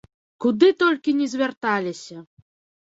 Куды толькі ні звярталіся!